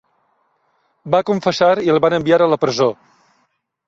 Va confessar i el van enviar a la presó.